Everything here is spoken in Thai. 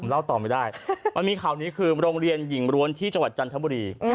เล่าต่อไม่ได้มันมีข่าวนี้คือโรงเรียนหญิงร้วนที่จังหวัดจันทบุรี